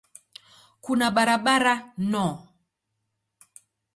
Kuna barabara no.